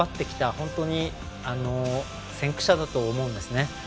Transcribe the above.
本当に先駆者だと思うんですね。